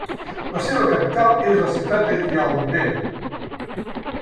La seva capital és la ciutat de Yaoundé.